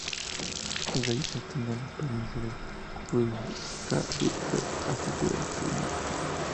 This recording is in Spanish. Desde allí se extendían las planicies de Fusagasugá hasta el río Subía.